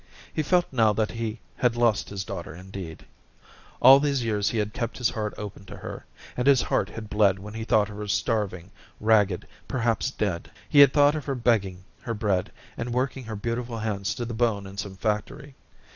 He felt now that he had lost his daughter indeed. All these years he had kept his heart open to her, and his heart had bled when he thought of her starving, ragged, perhaps dead. He had thought of her begging her bread and working her beautiful hands to the bone in some factory.